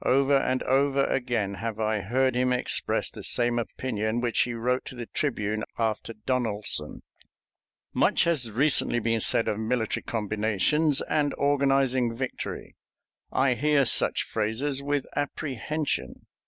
Over and over again have I heard him express the same opinion which he wrote to the Tribune after Donelson: "Much has recently been said of military combinations and organizing victory. I hear such phrases with apprehension.